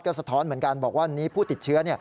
สะท้อนเหมือนกันบอกว่าวันนี้ผู้ติดเชื้อ